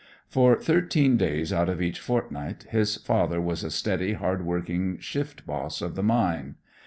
For thirteen days out of each fortnight his father was a steady, hard working shift boss of the mine.